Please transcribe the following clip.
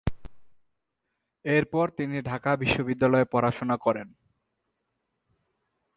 এরপর তিনি ঢাকা বিশ্ববিদ্যালয়ে পড়াশোনা করেন।